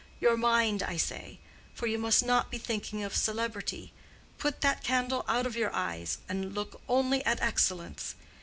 Your mind, I say. For you must not be thinking of celebrity: put that candle out of your eyes, and look only at excellence.